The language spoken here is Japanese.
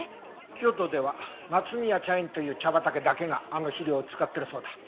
京都では松宮茶園という茶畑だけがあの肥料を使ってるそうだ。